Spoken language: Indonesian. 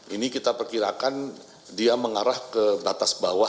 ini kita perkirakan dia mengarah ke batas bawah